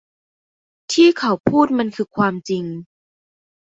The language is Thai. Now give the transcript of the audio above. ที่เขาพูดมันคือความจริง